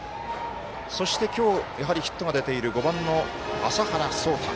そして、今日やはりヒットが出ている５番の麻原草太。